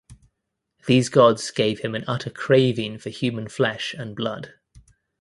These gods gave him an utter craving for human flesh and blood.